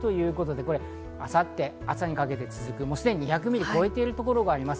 明後日朝にかけて続く、すでに２００ミリを超えているところがあります。